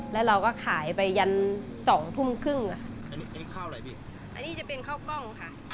แล้วเราก็ขายไปยัน๒ทุ่มครึ่ง